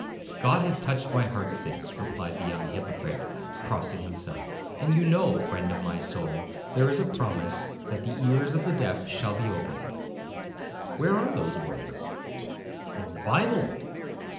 'God has touched my heart since,' replied the young hypocrite, crossing himself; 'and you know, friend of my soul, there is a promise, that the ears of the deaf shall be opened.' 'Where are those words?' 'In the Bible.'